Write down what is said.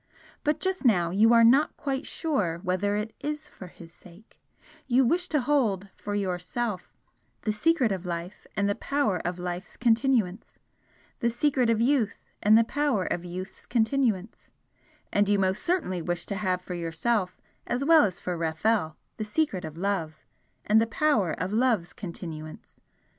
But just now you are not quite sure whether it is for his sake, you wish to hold, for YOURSELF, the secret of life and the power of life's continuance the secret of youth and the power of youth's continuance, and you most certainly wish to have for yourself, as well as for Rafel, the secret of love and the power of love's continuance.